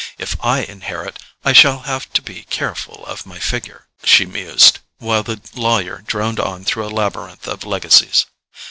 If I inherit, I shall have to be careful of my figure," she mused, while the lawyer droned on through a labyrinth of legacies.